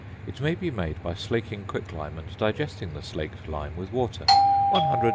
It may be made by slaking quicklime and digesting the slaked lime with water. One hundred c.